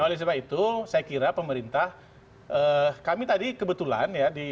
oleh sebab itu saya kira pemerintah pemerintah yang berkeadilan pemerintah yang berkeadilan